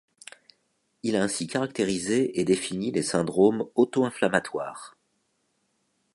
Il a ainsi caractérisé et défini les syndromes auto-inflammatoires.